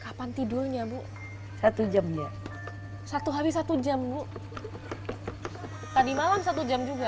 kapan tidurnya bu satu jam ya satu hari satu jam bu tadi malam satu jam juga